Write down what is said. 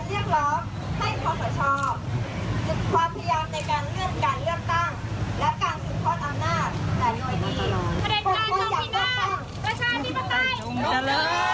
ในการเรียกร้องให้ความสะชอบ